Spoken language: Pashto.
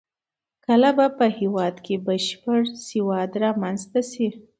کله به په هېواد کې بشپړ سواد رامنځته شي؟